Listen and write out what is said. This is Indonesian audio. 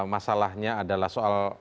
masalahnya adalah soal